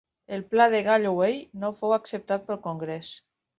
El pla de Galloway no fou acceptat pel congrés.